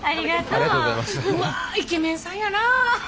うわイケメンさんやな。